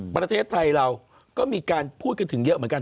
ประเทศไทยเราก็มีการพูดกันถึงเยอะเหมือนกัน